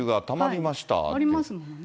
ありますもんね。